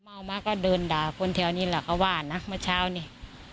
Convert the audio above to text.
เมามาก็เดินด่าคนแถวนี้แหละเขาว่านะเมื่อเช้านี่